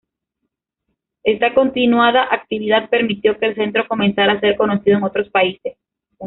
Esta continuada actividad permitió que el Centro comenzara a ser conocido en otros países.